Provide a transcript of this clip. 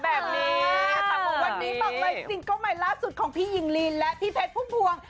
วันนี้ต่อไปสิงค์ก็ใหม่ล่าสุดของพี่หญิงลีนและพี่เพชรพุ่งพวง